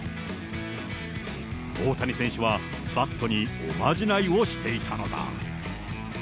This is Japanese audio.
大谷選手は、バットにおまじないをしていたのだ。